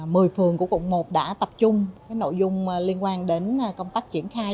mười phường của quận một đã tập trung nội dung liên quan đến công tác triển khai